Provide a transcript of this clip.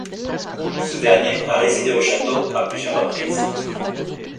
Ce dernier a résidé au château à plusieurs reprises.